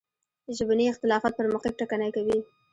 ژبني اختلافات پرمختګ ټکنی کوي.